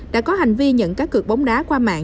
đã có hành vi nhận cá cược bóng đá qua mạng